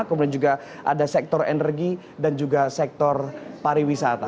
kemudian juga ada sektor energi dan juga sektor pariwisata